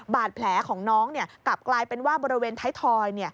บาดแผลของน้องกลับกลายเป็นว่าบริเวณไทยทอย